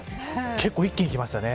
結構一気にきましたね。